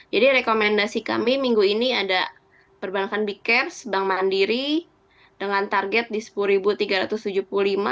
jadi rekomendasi kami minggu ini ada perbankan big caps bank mandiri dengan target di rp sepuluh tiga ratus tujuh puluh lima